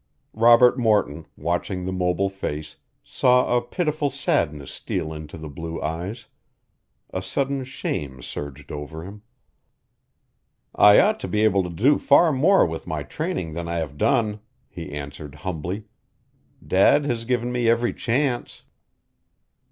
Robert Morton, watching the mobile face, saw a pitiful sadness steal into the blue eyes. A sudden shame surged over him. "I ought to be able to do far more with my training than I have done," he answered humbly. "Dad has given me every chance."